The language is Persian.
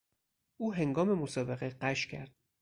او هنگام مسابقه غش کرد.